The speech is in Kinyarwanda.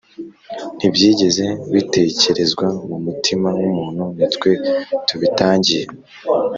Ntibyigeze bitekerezwa mu mutima w’umuntu ni twe tubitangiye